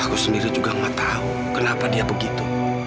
aku sendiri juga gak tahu kenapa dia begitu